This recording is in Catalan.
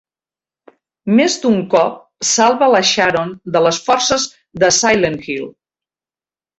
Més d'un cop, salva la Sharon de les forces de Silent Hill.